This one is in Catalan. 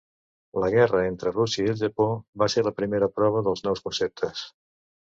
La guerra entre Rússia i el Japó va ser la primera prova dels nous conceptes.